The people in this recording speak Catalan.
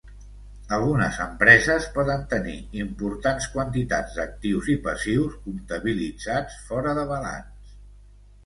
Algunes empreses poden tenir importants quantitats d'actius i passius comptabilitzats fora de balanç.